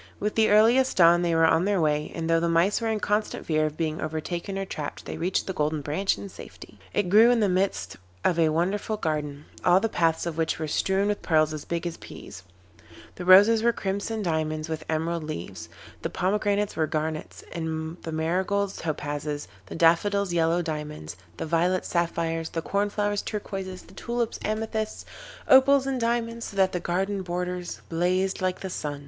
With the earliest dawn they were on their way, and though the Mice were in constant fear of being overtaken or trapped, they reached the Golden Branch in safety. It grew in the midst of a wonderful garden, all the paths of which were strewn with pearls as big as peas. The roses were crimson diamonds, with emerald leaves. The pomegranates were garnets, the marigolds topazes, the daffodils yellow diamonds, the violets sapphires, the corn flowers turquoises, the tulips amethysts, opals and diamonds, so that the garden borders blazed like the sun.